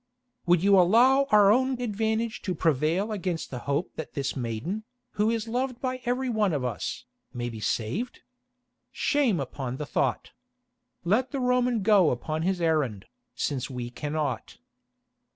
Would you allow our own advantage to prevail against the hope that this maiden, who is loved by everyone of us, may be saved? Shame upon the thought. Let the Roman go upon his errand, since we cannot."